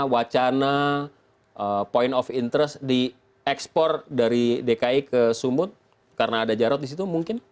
wacana point of interest diekspor dari dki ke sumut karena ada jarod di situ mungkin